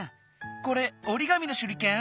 これおりがみのしゅりけん？